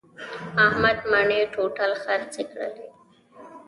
احمد مڼې ټوټل خرڅې کړلې.